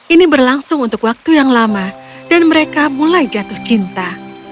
ini berlangsung untuk waktu yang lama dan mereka mulai jatuh cinta